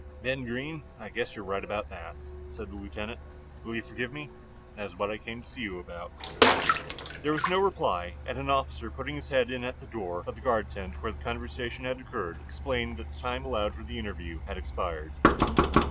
"Ben Greene, I guess you are right about that," said the lieutenant. "Will you forgive me? That is what I came to see you about." There was no reply, and an officer putting his head in at the door of the guard tent where the conversation had occurred, explained that the time allowed for the interview had expired.